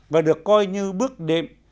và được coi như bước đêm